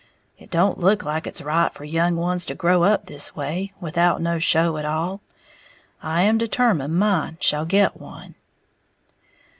It don't look like it's right for young ones to grow up this way, without no show at all. I am determined mine shall get one."